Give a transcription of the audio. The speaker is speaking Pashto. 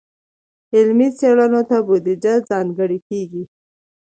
علمي څیړنو ته بودیجه ځانګړې کیږي.